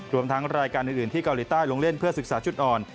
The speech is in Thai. รวมทั้งรายการอื่นที่เกาหลีใต้ลงเล่นเพื่อศึกษาจุดอ่อน